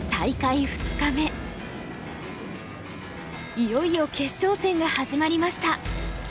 いよいよ決勝戦が始まりました。